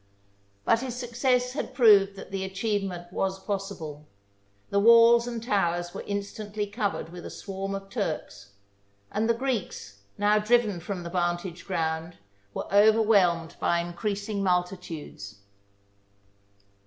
But his success had proved that the achievement was possible; the walls and towers were instantly covered with a swarm of Turks ; and the Greeks, now driven from the vantage ground, were overwhelmed by increasing multitudes.